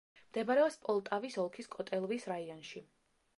მდებარეობს პოლტავის ოლქის კოტელვის რაიონში.